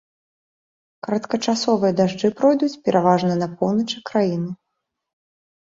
Кароткачасовыя дажджы пройдуць пераважна на поўначы краіны.